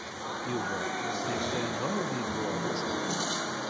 Yuba yella yebɣa ad yeddu ɣer uzɣar.